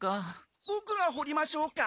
・ボクが掘りましょうか？